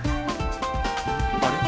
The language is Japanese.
あれ？